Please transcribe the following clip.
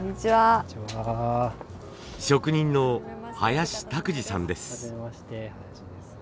職人の林拓児さんです。